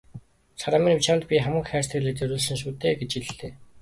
"Саран минь чамд би хамаг хайр сэтгэлээ зориулсан шүү дээ" гэж хэллээ.